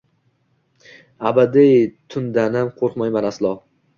Abadiy tundanam qo’rqmayman aslo.